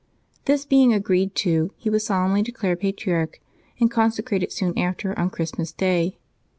This being agreed to, he was solemnly declared patriarch, and consecrated soon after, on Christmas Day.